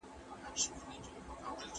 ما ته په مینه او درناوي سره یو ځل وگوره.